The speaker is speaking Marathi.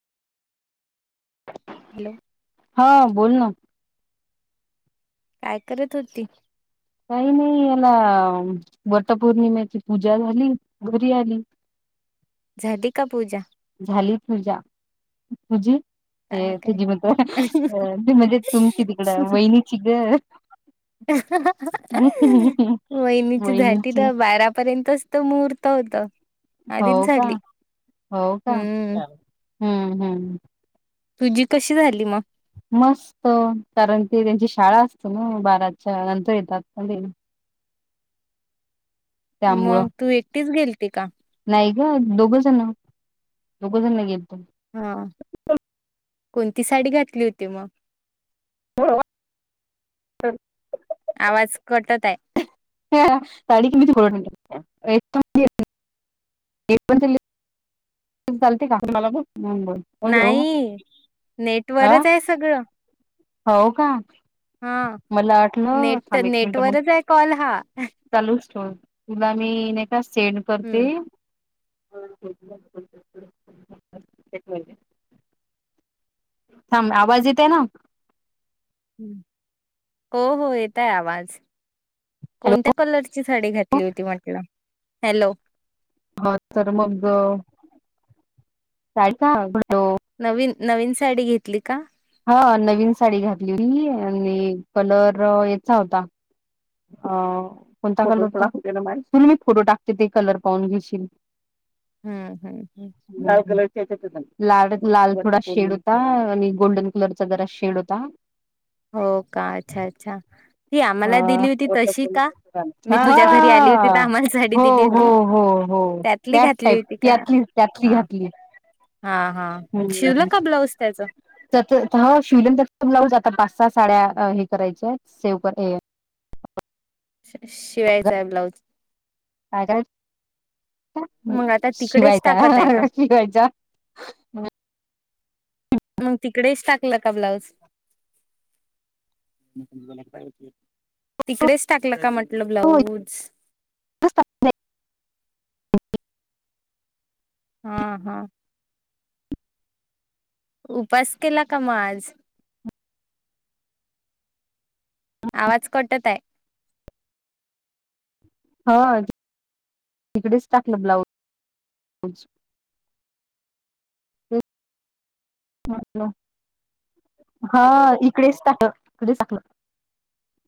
ह [inaudible] [inaudible] [inaudible] हॅलो.... हा... बोल ना. काय करत होती. काही नाही, याला वटपौर्णिमेची पूजा झाली. घरी आली. झाडी का पूजा. झाली पूजा. तझी? काय हे काय तुझी मत, मी म्हणजे? तुमची तिकडं वहिनीची ग... वहिनीची झाली, त तर बारापर्यंत. मुहूर्त होत. आधीच हो.. का, झाली हो... का, हम्म हम्म... हम्म... तुझी कशी झाली? मग. मस्त कारण की, त्यांची शाळा असते ना बाराच्या नंतर येतात ना ते. त्यामुळं मग तू एकटीच गेलती का? नाही गं दोघंजण, दोघं जण गेलतो. हा, कोणती साडी घातली होती मग? होड वाटचल आवाज कटत आहे. ह हा साडी की मी [unintelligible] एकपण एकपण [unintelligible] चालते का, मला बघ बोल. नाही नेटवरच आहे सगळं. हो, का. हा मला वाटलं नेट थांब एक मिनिटं मग. नेटवरच आहे कॉल हा. चालूच ठेव, तुला मी नाही का सेंड करते. हम्म तेच म्हणले. थांब आवाज येतंय ना? हो, हो. येतय आवाज हॅलो कोणत्या कलरची साडी घात ली होती म्हटलं? हॅलो. हो तर मग, साडी का नवीन-नवीन साडी घेतली का? हा नवीन साडी घातली होती आणि कलर याचा होता, अ कोणता कलर तु मी फोटो टाकते ते कलर पाहून घेशील. हं, हं, हं. लाल कलरची यांच्यातली सांग, लाल थोडा शेड होता आणि गोल्डन कलरचा जरा शेड होता. हो, का. अच्छा- अच्छा ती आम्हांला हा. दिली होती तशी का, मी तुझ्या घरी आली होती तर हा. आम्हांला साडी हो दिली हो होती हो हो त्यात तली त्याच घातली टाईप होती का? त्यातली त्यातली हा, घातली. हा, हा. शिवला का ब्लाऊज त्याच? त्याचं हो शिवलं ना त्याचं ब्लाऊज आता पाच- सहा साड्या हे करायच्या आहेत, सेव्ह कर हे शिवायचा आहे ब्लाऊज. काय करायचं मग आता तिकडेच शिवायचा, हा.. टाकत आहे का? हां. शिवायचा. मग तिकडेच टाकलं का ब्लाऊज? तिकडेच टाकलं का म्हंटलं हो ब्लाऊज? [unintelligible] हा, हा... उपास केला का मग आज? आवाज कटत आहे. हा तिकडेच टाकलं ब्लाउज, ब्लाऊज. [unintelligible] माझ हा इकडेच टाकलं, इकडेच टाकलं.